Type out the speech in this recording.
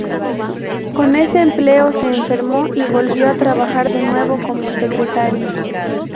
Con ese empleo, se enfermó, y volvió a trabajar de nuevo como secretaria.